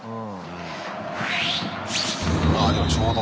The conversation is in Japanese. あっでもちょうど。